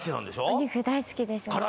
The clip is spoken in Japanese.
お肉大好きです